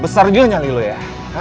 besar dia nyali lo ya